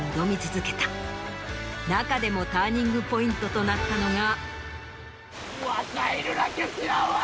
中でもターニングポイントとなったのが。